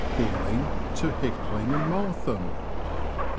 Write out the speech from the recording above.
Palling to Hickling and Martham.